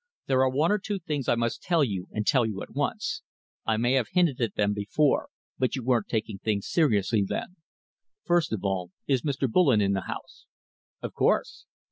"There are one or two things I must tell you and tell you at once. I may have hinted at them before, but you weren't taking things seriously then. First of all, is Mr. Bullen in the House?" "Of course!"